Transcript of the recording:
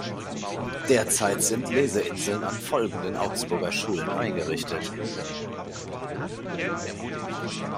Derzeit sind Lese-Inseln an folgenden Augsburger Schulen eingerichtet